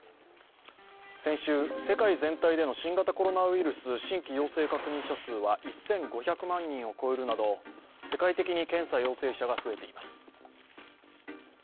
先週、世界全体での新型コロナウイルス新規陽性確認者数は１５００万人を超えるなど、世界的に検査陽性者が増えています。